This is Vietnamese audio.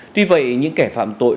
tuy vậy những kẻ phạm tội